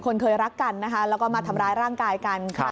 คนเคยรักกันนะคะแล้วก็มาทำร้ายร่างกายกัน